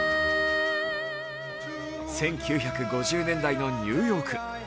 １９５０年代のニューヨーク。